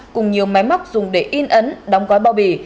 cùng nhiều máy móc dùng để in ấn đóng gói bao bì